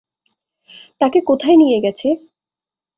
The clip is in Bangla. তাকে কোথায় নিয়ে গেছে?